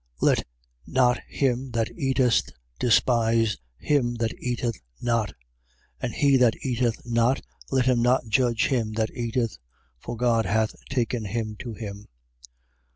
Let not him that eateth despise him that eateth not: and he that eateth not, let him not judge him that eateth. For God hath taken him to him.